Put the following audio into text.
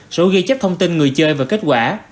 sổ ghi chép thông tin người chơi và kết quả